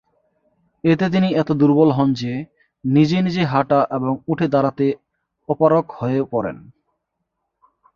এতে তিনি এত দুর্বল হন যে নিজে নিজে হাঁটা এবং উঠে দাঁড়াতে অপারগ হয়ে পড়েন।